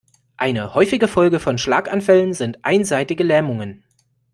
Eine häufige Folge von Schlaganfällen sind einseitige Lähmungen.